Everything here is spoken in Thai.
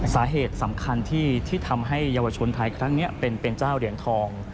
สาเหตุสำคัญที่ทำให้เยาวชนไทยครั้งนี้เป็นเจ้าเหรียญทอง